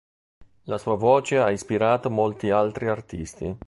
La sua voce ha ispirato molti altri artisti.